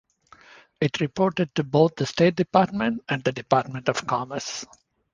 It reported to both the State Department and the Department of Commerce.